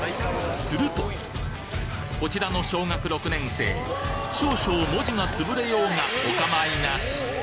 するとこちらの小学６年生少々文字がつぶれようがお構いなし。